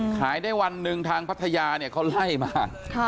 ขายได้วันหนึ่งทางพัทยาเนี่ยเขาไล่มา